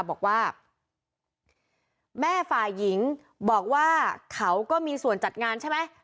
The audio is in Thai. บอกว่าแม่ฝ่ายหญิงบอกว่าเขาก็มีส่วนจัดงานใช่ไหม